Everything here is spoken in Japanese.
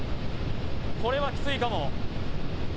これはきついかも。